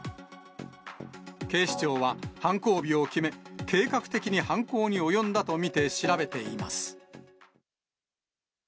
警視庁は、犯行日を決め、計画的に犯行に及んだと見て調べています。